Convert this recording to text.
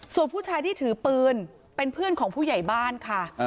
ส่วนผู้ชายที่ถือปืนเป็นเพื่อนของผู้ใหญ่บ้านค่ะ